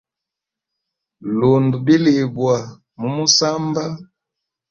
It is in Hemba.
Lunda bilibwa mu musamba.